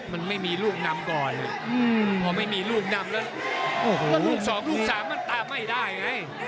มันไม่มีลูกนำก่อนพอไม่มีลูกนำแล้วโอ้โหลูกสองลูกสามมันตามไม่ได้ไง